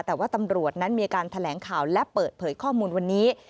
แต่ว่าตำรวจนั้นมีการแถลงข่าวและเปิดเผยข้อมูลวันนี้